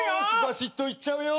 ばしっといっちゃうよ！